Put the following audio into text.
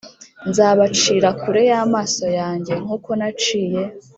Nzabacira kure y amaso yanjye nk uko naciye